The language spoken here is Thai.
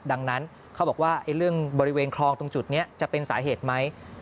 ดังนั้นเขาบอกว่าเรื่องบริเวณคลองตรงจุดนี้จะเป็นสาเหตุไหม